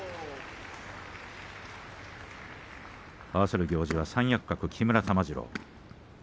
合わせる行司は三役格木村玉治郎。